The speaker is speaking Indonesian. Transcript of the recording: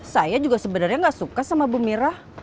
saya juga sebenarnya gak suka sama bu mirah